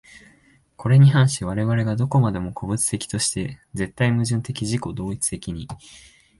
これに反し我々が何処までも個物的として、絶対矛盾的自己同一的に、